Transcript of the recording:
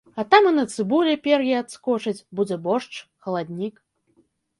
А там і на цыбулі пер'е адскочыць, будзе боршч, халаднік.